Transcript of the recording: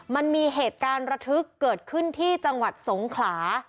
มันมีเหตุการณ์ระทึกเกิดขึ้นที่จังหวัดสงขลา